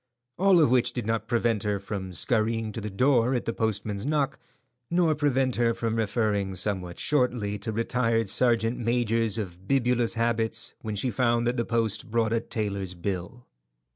All of which did not prevent her from scurrying to the door at the postman's knock, nor prevent her from referring somewhat shortly to retired sergeant majors of bibulous habits when she found that the post brought a tailor's bill.